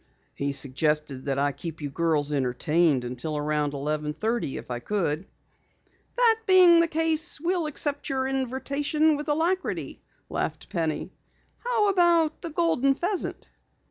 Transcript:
"He suggested that I keep you girls entertained until around eleven thirty if I could." "That being the case, we'll accept your invitation with alacrity," laughed Penny. "How about the Golden Pheasant?"